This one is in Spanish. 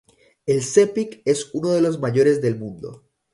El Sepik es uno de los mayores del mundo.